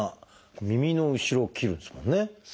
耳の後ろを切るんですもんね。